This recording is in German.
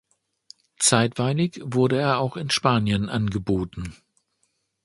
Zeitweilig wurde er auch in Spanien angeboten.